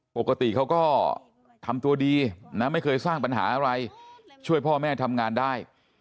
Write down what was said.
ปกติเขาก็ทำตัวดีนะไม่เคยสร้างปัญหาอะไรช่วยพ่อแม่ทำงานได้